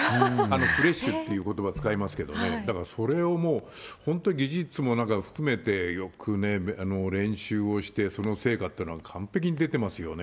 フレッシュってことば使いますけれどもね、だからそれをもう本当に技術もなんか含めて、よく練習をして、その成果っていうのは、完璧に出てますよね。